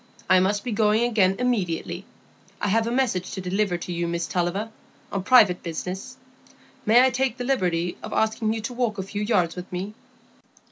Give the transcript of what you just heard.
"I must be going again immediately. I have a message to deliver to you, Miss Tulliver, on private business. May I take the liberty of asking you to walk a few yards with me?"